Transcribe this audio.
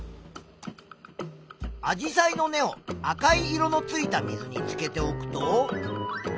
アジサイの根を赤い色のついた水につけておくと。